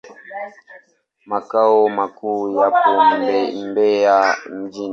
Makao makuu yapo Mbeya mjini.